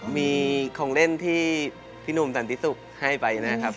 มีของเล่นที่พี่หนุ่มสันติสุขให้ไปนะครับ